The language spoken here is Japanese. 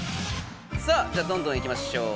さあじゃあどんどんいきましょう